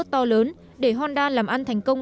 to lớn để honda làm ăn thành công